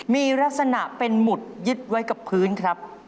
มีลักษณะเป็นหมุดยึดไว้กับพื้นครับ